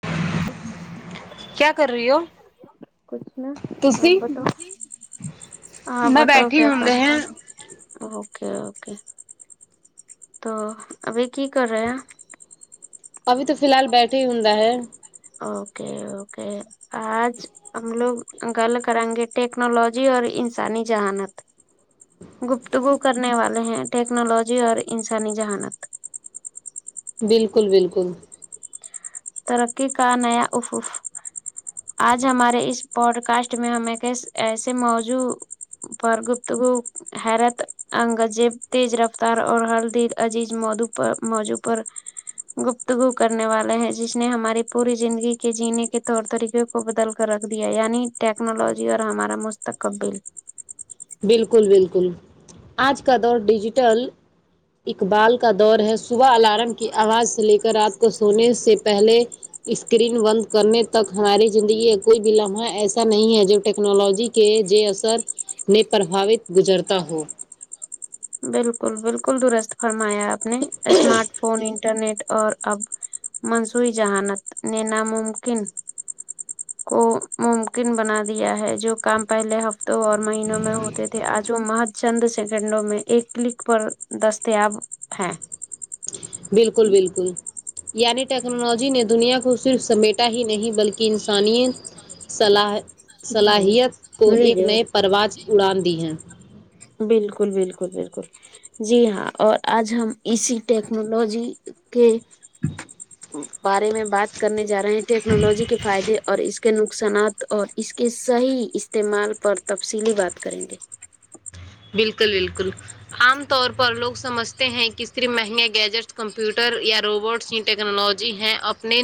ھ [unintelligible] کیا کر رہی ہو کچھ نا آپ تسی بتاؤ آپ میں بتاؤ بیٹھی کیا ہوں کر بہن رہے اوکے اوکے تو ابھی کی کر رہے ہیں ابھی تو فی الحال بیٹھے ہوندا ہے اوکے اوکے آج ہم لوگ گل کریں گے ٹیکنالوجی اور انسانی جہانت گفتگو کرنے والے ہیں ٹیکنالوجی اور انسانی جہانت بالکل بالکل ترقی کا نیا افف آج ہمارے اس پوڈ کاسٹ میں ہمیں ایسے موجو پر گپتگو حیرت انگزیب تیز رفتار اور ہلد عزیز مدو پر موجوع پر گپتگو کرنے والے ہیں جس نے ہماری پوری زندگی کے جینے کے طور طریقے کو بدل کر رکھ دیا یعنی ٹیکنالوجی اور ہمارا مستقبل بالکل بالکل آج کا دور ڈیجیٹل اقبال کا دور ہے صبح الارم کی آواز سے لے کر رات کو سونے سے پہلے اسکرین بند کرنے تک ہماری زندگی کا کوئی بھی لمحہ ایسا نہیں ہے جو ٹیکنالوجی کی کے جے اثر میں پرباوت گزرتا ہو بالکل بالکل درست فرمایا آپ نے اسمارٹ فون انٹرنیٹ اور اب منصوعی جہانت نے ناممکن کو ممکن بنا دیا ہے جو کام پہلے ہفتوں اور مہینوں میں ہوتے تھے تھے آج وہ مہد چند سیکنڈوں میں ایک کلک پر دستیاب ہیں بالکل بالکل یعنی ٹیکنالوجی نے دنیا کو صرف سمیٹا ہی نہیں بلکہ انسانیت صلاحیت کو ایک بالکل نئے پرواز اڑان دی ہیں بالکل بالکل بالکل جی ہاں اور آج ہم اسی ٹیکنالوجی کے بارے میں بات کرنے جا رہے ہیں ٹیکنالوجی کے فائدے اور اس کے نقصانات اور اس کے صحیح استعمال پر تفصیلی بات کریں گے بالکل بالکل عام طور پر لوگ سمجھا ہیں کس طریح مہنگیا گیجٹس کمپیوٹر یا روبوٹس ٹیکنالوجی ہیں اپنے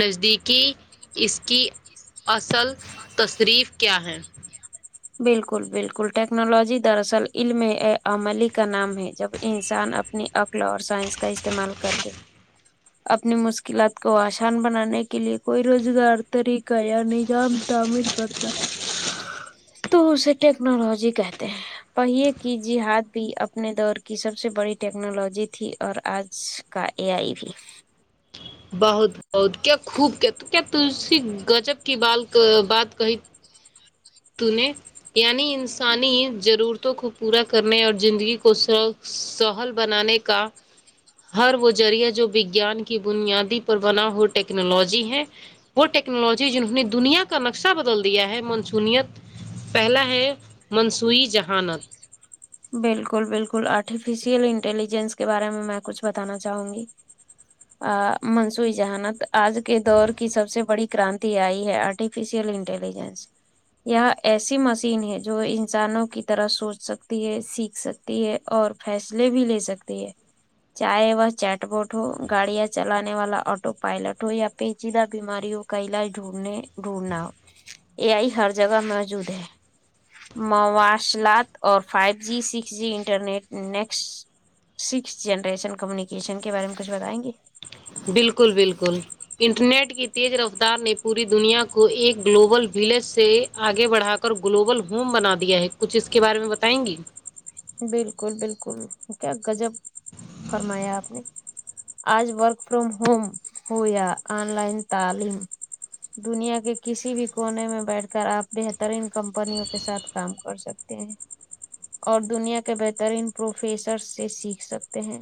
نزدیکی اس کی اصل تصریف کیا ہے بالکل بالکل ٹیکنالوجی دراصل علم عملی کا نام ہے جب انسان اپنی اکلا اور سائنس کا استعمال کر کے اپنی مشکلات کو آسان بنانے کے لیے کوئی روزگار طریقہ یا نظام تعمیر کرتا تو اسے ٹیکنالوجی کہتے ہیں پہیے کی جہاد بھی اپنے دور کی سب سے بڑی ٹیکنالوجی تھی اور آج یہ اے آئی بھی بہت بہت کیا خوب کہ تو کیا تسی گجب کی بال بات کہی تو نع یعنی انسانی ضرورتوں کو پورا کرنے اور زندگی کو س سہل بنانے کا ہر وہ ذریعہ جو وگیان کی بنیادی پر بنا ہو ٹیکنالوجی ہے وہ ٹیکنالوجی جنہوں نے دنیا کا نقشہ بدل دیا ہے منسونیت پہلا ہے منصوعی جہانت بالکل بالکل آرٹیفیشیل انٹیلیجنس کے بارے میں میں کچھ بتانا چاہوں گی منصوئی جہانت آج کے دور کی سب سے بڑی کرانتی آئی ہے آرٹیفسل انٹلیجنس یہ ایسی مشین ہے جو انسانوں کی طرح سوچ سکتی ک ہے سیکھ سکتی ہے اور فیصلے بھی لے سکتی ہے چاہائے و چیٹ بوٹ ہو گاڑیاں چلانے والا آٹو پائلٹ ہو یاھر پیچیا بیماریو کا علاج ڈھونڈنے ڈھونڈنا ہو ا آئی ہر جگہ موجود ہے مواصلات اور five G six G internet next six generation communication کے بارے میں کچھ بتائیں گے بالکل بالکل انٹرنیٹ کی تیز رفتار نے پوری دنیا کو ایک گلوبل ولیج سے آگے بڑھا کر گلوبل ہوم بنا دیا ہے کچھ اس کے بارے میں بتائیں گی بالکل بالکل کیا گجب فرمایا آپ نے آج ورک فروم ہوم ہویا آن لائن تعلیم دنیا کے کسی بھی کونے میں بیٹھ کر آپ بہترین کمپنیوں کے ساتھ کام کر سکتے ہیں اور دنیا کے بہترین پروفیسر سے سیکھ سکتے ہیں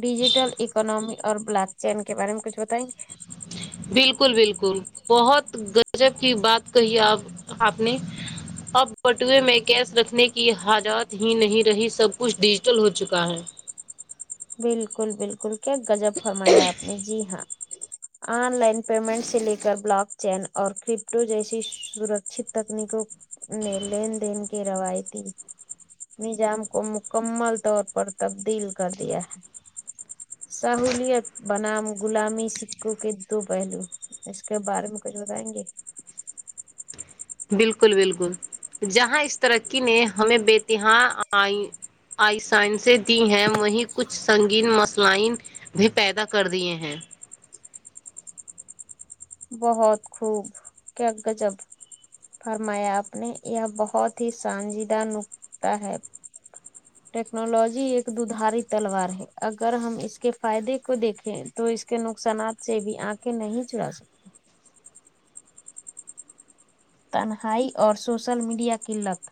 ڈیجیٹل اکنمی اور بلیک چین کے بارے میں کچھ بتائیں گے بالکل بالکل بہت گجب کی بات کہی آپ آپ نے اب بٹوے میں کیش رکھنے کی حجات ہی نہیں رہی سب کچھ ڈیجیٹل ہو چکا ہے بالکل بالکل کیا گجب فرمایا آپ نے جی ہاں آن لائن پیمنٹ سے لے کر بلاک چین اور کرپٹو جیسی سرکچت تکنیکوں نہیں لین دین کے رویتی نظام کو مکمل طور پر تبدیل کر دیا ہے سہولیت بنام غلامی سکوں کے دو پہلو اس کے بارے میں کچھ بتائیں گے بالکل بالکل جہاں اس ترقی نے ہمیں بےتاں آئی آئیسائنسیں دی ہیں وہیں کچھ سنگین مسلائین بھی پیدا کر دیے ہیں بہت خوب کیا غزب فرمایا آپ نے یہ بہت ہی سانجیدہ نکتا ہے ٹیکنالوجی ایک ددھاری تلوار ہے اگر ہم اس کے فائدے کو دیکھیں تو اس کے نقصانات سے بھی آنک نہیں چلا سکتے تنہائی اور سوشل میڈیا کی لت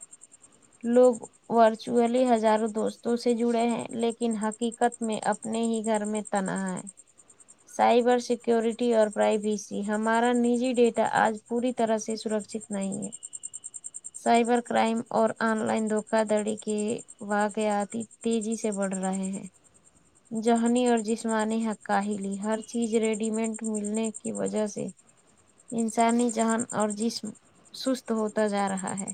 لوگ ورچولی ہزاروں دوستوں سے جڑے ہیں لیکن حقیقت میں اب اپنے ہی گھر میں تنہا ہے سائبر سیکورٹی اور پرائیویسی ہمارا نجی ڈیٹا آج پوری طرح سے سرک جتنا ہی ہے سائبر کرائم اور آن لائن دھوکا دھڑی کی وقھیاتی تیزی سے بڑھ رہے ہیں ذہنی اور جسمانی حقاہ لی ہر چیز ریڈی مٹ ملنے کی وجہ سے انسانی جہن اور جسم سست ہوتا جا رہا ہے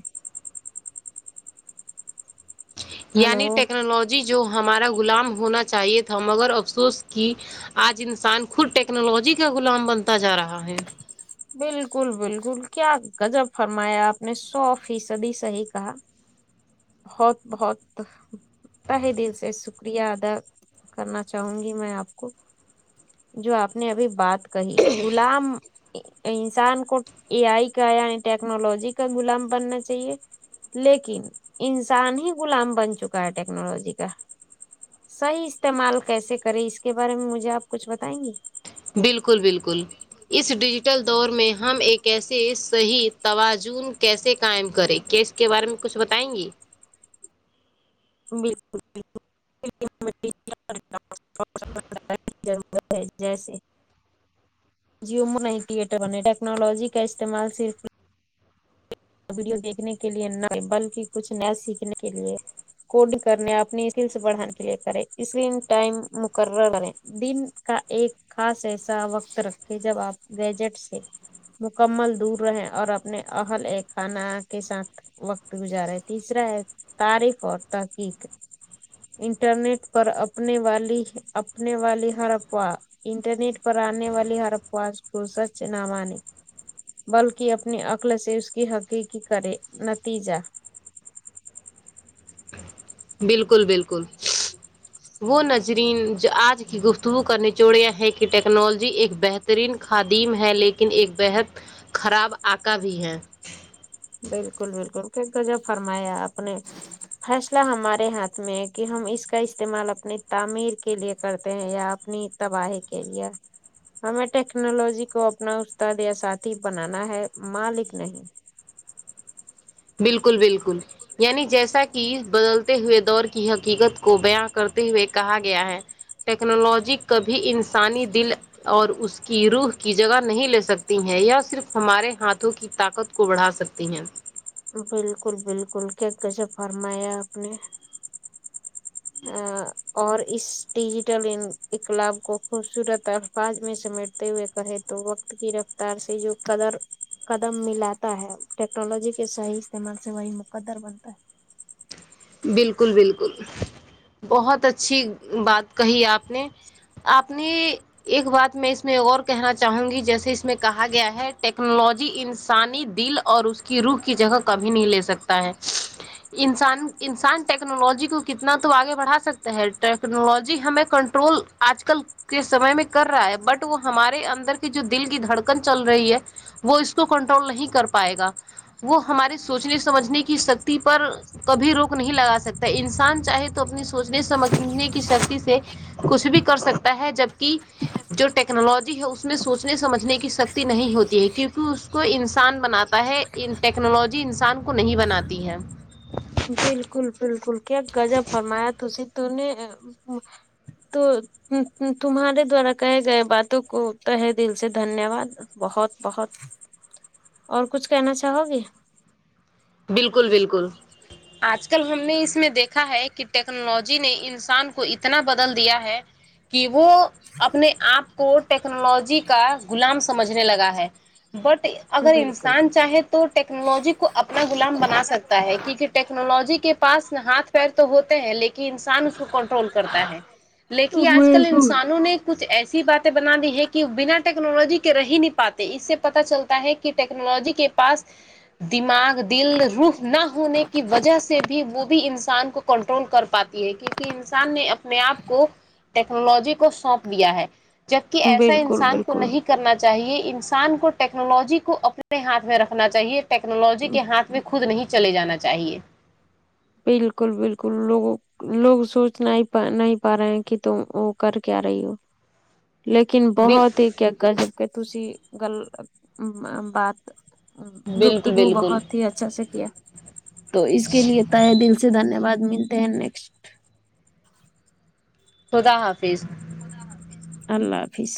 یعنی ہلو ٹیکنالوجی جو ہمارا غلام ہونا چاہیے تھا مگر افسوس کی آج انسان خود ٹیکنالوجی کا غلام بنتا جا رہا ہے بالکل بالکل کیا گجب فرمایا آپ نے سو فیصدی صحی کہا بہت بہت طاہ دل سے شکریہ ادا کرنا چاہوں گی میں آپ کو جو آپ نے ابھی بات کہی غلام انسان کو اے آئی کا یعنی ٹیکنالوجی کا غلام بننا چاہیے لیکن انسان ہی غلام بن چکا ہے ٹیکنالوجی کا صحیح استعمال کیسے کرے اس کے بارے میں مجھے آپ کچھ بتائیں گے بالکل بالکل اس ڈیجیٹل دور میں ہم ایک ایسے صحیح تواجن کیسے قائم کریں کیس کے بارے میں کچھ بتائیں گی [unintelligible] جیسے جیوومو نہیں ٹیٹر بنے ٹیکنالوجی کا استعمال صرف ویڈیو دیکھنے کے لئے نہ بلکہ کچھ نیا سیکھنے کے لئے کوڈنگ کرنے اپنی اسکل سے بڑھانے کے لیے کریں اسکرین ٹائم مقرر کریں دن کا ایک خاص ایسا وقت رکھے جب آپ گیجٹ سے مکمل دور رہیں اور اپنے اہل ایک کھانا کے ساتھ وقت گزارا ہے تیسرا ہے تاریخ اور تحقیق انٹرنیٹ پراپنے والی اپنے والی ہر افواہ انٹرنیٹ پر آنے والی ہر افواج کو سچ نہ مانے بلکہ اپنی عقل سے اس کی حقیقی کرے نتیجہ بالکل بالکل وہ نظرین جو آج کی گفتگو کا نچوڑیا ہے کہ ٹیکنالوجی ایک بہتر ترین خادم ہے لیکن ایک بےحد خراب آقا بھی ہے بالکل بالکل کیوں کہ جو فرمایا آ پ نے فیصلہ ہمارے ہاتھ میں ہے کہ ہم اس کا استعمال اپنی تعمیر کے لیے کرتے ہیں یا اپ اپنی تباہی کے لیے ہمیں ٹیکنالوجی کو اپنا استاد یا ساتھی بنانا ہے مالک نہیں بالکل بالکل یعنی جیسا کہ بدلتے ہوئے دور کی حقیقت کو بیاں کرتے ہوئے کہا گیا ہے ٹیکنالوجی کبھی انسانی دل اور اس کی روح کی جگہ نہیں لے سکتی ہیں یا صرف ہمارے ہاتھوں کی طاقت کو بڑھا سکتی ہیں بالکل بالکل کیا گجب فرمایا آپ نے اور اس ڈیجیٹل ان اقلاب کو خوبصورت اور الفاظ میں سمیٹتے ہوئے کہے تو وقت کی رفتار سے جو قدر قدم ملاتا ہے ٹیکنالوجی کے صحیح استعمال سے وہی مقدر بنتا ہے بالکل بالکل بہت اچھی بات کہی آپ نے آپ نے ایک بات میں اس میں اور کہنا چاہوں گی جیسے اس میں کہا گیا ہے ٹیکنالوجی انسانی دل اور اس کی روح کی جگہ کبھی نہیں لے سکتا ہے انسان انسان ٹیکنالوجی کو کتنا تو آگے بڑھا سکتا ہے ٹیکنالوجی ہمیں کنٹرول آج کل کے سمے میں کر رہا ہے بٹ وہ ہمارے اندر کی جو دل کی دھڑکن چل رہی ہے وہ اس کو کنٹرول نہیں کر پائے گا وہ ہمارے سوچنے سمجھنے کی سکتی پر کبھی روک نہیں لگا سکتا انسان چاہے تو اپنی سوچنے سمجھنے کی شکتی سے کچھ بھی کر سکتا ہے جبکہ جو ٹیکنالوجی ہے اس میں سوچنے سمجھنے کی سک تی نہیں ہوتی ہے کیونکہ اس کو انسان بناتا ہے ٹیکنالوجی انسان کو نہیں بناتی ہے بالکل بالکل کیا گزب فرمایا تسی تو نے تو ت تمہارے دوارا کہے گئے باتوں کو تہہ دل سے دھنیہ واد بہت بہت اور کچھ کہنا چاہو گی بالکل بالکل آج کل ہم نے اس میں دیکھا ہے کہ ٹیکنالوجی نے انسان کو اتنا بدل دیا ہے کہ وہ اپنے آپ کو ٹیکنالوجی کا غلام سمجھنے لگا ہے بٹ اگر بالکل انسان چاہے تو ٹیکنالوجی کو اپ نا غلام بنا سکتا ہے کیونکہ ٹیکنالوجی کے پا س نہ ہاتھ پیر تو ہوتے ہیں لیک انسان اس کو کنٹرول کرتا ہے لیکن آج کل بالکل انسانوں نے کچھ ایسی باتیں بنا دی ہیں کہ بنا ٹیکنالوجی کے رہ ہی نہیں پاتے اس سے پتا چلتا ہے کہ کہ ٹیکنالوجی کے پاس دماغ د دل روح نہ ہونے کی وجہ سے بھی وہ بھی انسان کو کنٹرول کر پاتی ہے کہ کیونکہ انسان نے اپنے آپ کو ٹیکنالوجی کو سونپ دیا ہے جبکہ ایسا بالکل انسان کو بالکل نہیں کرنا چاہیے انسان کو ٹیکنالوجی کو اپنے ہاتھ میں رکھنا چاہیے ٹیکنالوجی کے کے ہاتھ میں خود نہیں چلے جانا چاہیے بالکل بالکل لوگوں لوگ سوچنا ہی نہیں پا رہے ہیں کہ تم وہ کر کیا رہی ہو لیکن بل بہت ہی کیا گجب کہ تسی گل بات بالکل گفتگو بالکل بہت ہی اچھا سے کیا تو اس کے لیے تہ دل سے دھنیہ واد ملتے ہیں نیکسٹ خدا حافظ اللہ حافظ